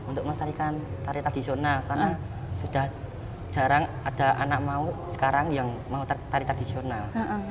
untuk melestarikan tari tradisional karena sudah jarang ada anak mau sekarang yang mau tari tradisional